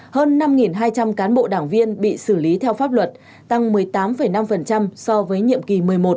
hơn năm hai trăm linh cán bộ đảng viên bị xử lý theo pháp luật tăng một mươi tám năm so với nhiệm kỳ một mươi một